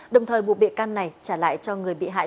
đồng thời buộc bị can này trả lại cho người bị hại